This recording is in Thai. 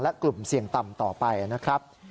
และกลุ่มเสี่ยงต่ำต่อไปนะครับ